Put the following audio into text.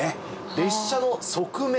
列車の側面。